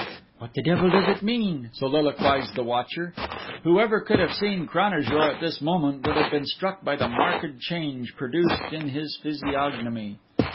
"What the devil does it mean?" soliloquised the watcher. Whoever could have seen Cranajour at this moment would have been struck by the marked change produced in his physiognomy.